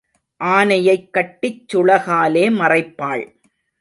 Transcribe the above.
ஆனையைக் கட்டிச் சுளகாலே மறைப்பாள்.